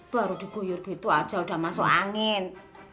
baru diguyur gitu aja udah masuk angin